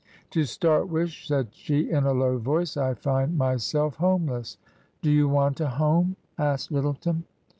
" To start with," said she, in a low voice, " I find my self homeless." " Do you want a home ?" asked Lyttleton.